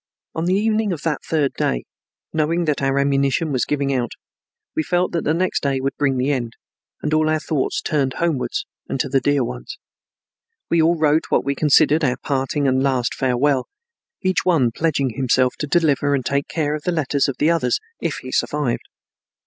On the evening of that third day, knowing that our ammunition was giving out, we felt that the next day would bring the end, and all our thoughts turned homewards and to the dear ones. We all wrote what we considered our parting and last farewell, each one pledging himself to deliver and take care of the letters of the others if he survived.